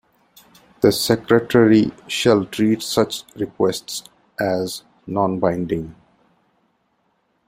The Secretary shall treat such requests as nonbinding.